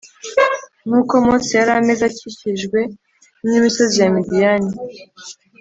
Nkuko Mose yari ameze akikijwe n’imisozi ya Midiyani